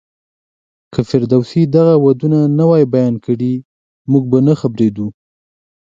که فردوسي دغه ودونه نه وای بيان کړي، موږ به نه خبرېدو.